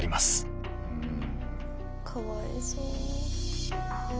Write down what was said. かわいそう。